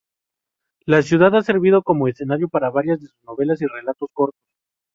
La ciudad ha servido como escenario para varias de sus novelas y relatos cortos.